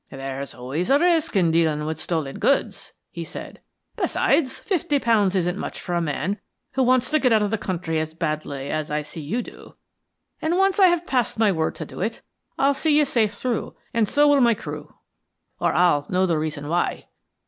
"There's always a risk in dealing with stolen goods," he said. "Besides fifty pounds isn't much for a man who wants to get out of the country as badly as I see you do, and once I have passed my word to do it, I'll see you safe through, and so will my crew, or I'll know the reason why.